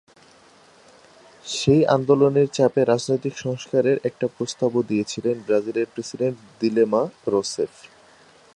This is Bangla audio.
সেই আন্দোলনের চাপে রাজনৈতিক সংস্কারের একটা প্রস্তাবও দিয়েছিলেন ব্রাজিলের প্রেসিডেন্ট দিলমা রোসেফ।